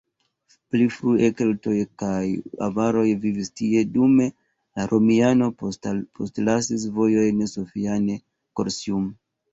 Pli frue keltoj kaj avaroj vivis tie, dume la romianoj postlasis vojon Sophiane-Gorsium.